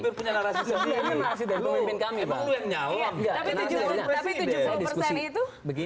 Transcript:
enggak bisa jubir punya narasi sendiri